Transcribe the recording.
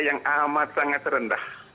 yang amat sangat rendah